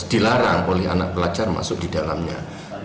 dilarang oleh anak pelajar masuk di dalamnya